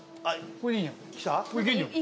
これいけんじゃん。